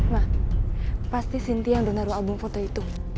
ma pasti sintia yang udah naruh album foto itu